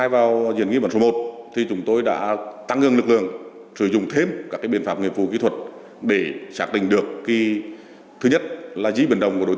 với ai tâm sự những việc gì